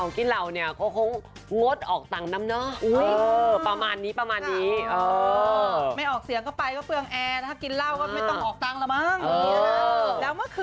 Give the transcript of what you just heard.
ยืดไมค์ให้แฟนเพลงแล้วก็ถามว่า